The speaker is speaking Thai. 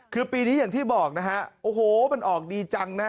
คือปีนี้อย่างที่บอกนะฮะโอ้โหมันออกดีจังนะ